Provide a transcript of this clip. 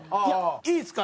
いいっすか？